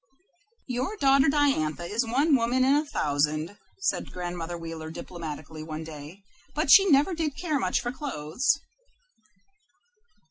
"Your daughter Diantha is one woman in a thousand," said Grandmother Wheeler, diplomatically, one day, "but she never did care much for clothes."